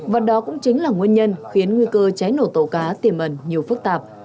và đó cũng chính là nguyên nhân khiến nguy cơ cháy nổ tàu cá tiềm ẩn nhiều phức tạp